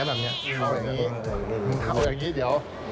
เอาอย่างนี้เดี๋ยว